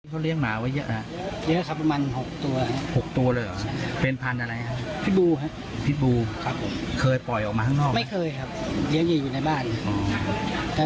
เขาเรียกหมาไว้เยอะเรียกคับประมาณหกตัว